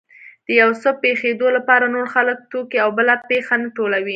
د يو څه پېښېدو لپاره نور خلک، توکي او بله پېښه نه لټوي.